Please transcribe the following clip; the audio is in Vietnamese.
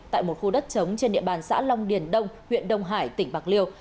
tại một khu đất trống trên địa bàn xã long điền đông huyện đông hải tỉnh bạc liêu